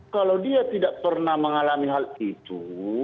kalau dia tidak pernah mengalami hal itu